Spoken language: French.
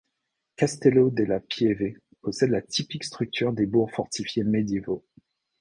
Castello della Pieve possède la typique structure des bourgs fortifiés médiévaux.